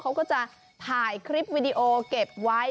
เขาก็จะถ่ายคลิปวิดีโอเก็บไว้